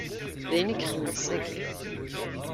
D ayen i ixeddem ass-agi.